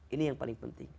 ini yang paling penting